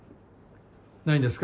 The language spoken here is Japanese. ないんですか？